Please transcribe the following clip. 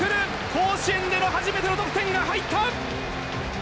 甲子園での初めての得点が入った！